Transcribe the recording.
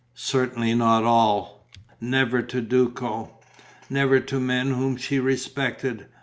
Certainly not to all. Never to Duco. Never to men whom she respected.